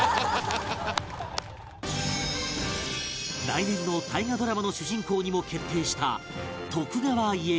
来年の大河ドラマの主人公にも決定した徳川家康